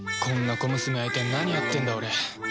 こんな小娘相手に何やってんだ俺